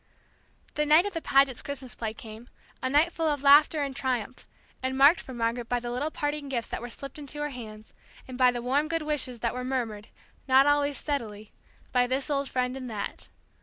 The night of the Pagets' Christmas play came, a night full of laughter and triumph; and marked for Margaret by the little parting gifts that were slipped into her hands, and by the warm good wishes that were murmured, not always steadily, by this old friend and that.